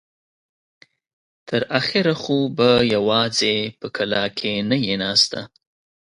تر اخره خو به يواځې په کلاکې نه يې ناسته.